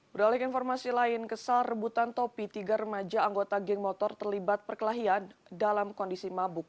beralik informasi lain kesal rebutan topi tiga remaja anggota geng motor terlibat perkelahian dalam kondisi mabuk